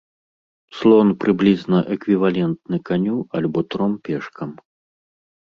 Слон прыблізна эквівалентны каню альбо тром пешкам.